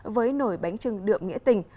với nổi bánh trưng đượm nghĩa tình